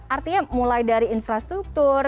artinya mulai dari infrastruktur